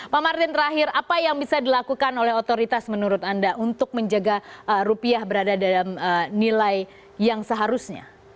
dan yang terakhir apa yang bisa dilakukan oleh otoritas menurut anda untuk menjaga rupiah berada dalam nilai yang seharusnya